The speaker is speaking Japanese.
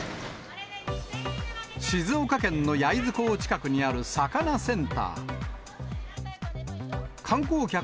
静岡県の焼津港近くにあるさかなセンター。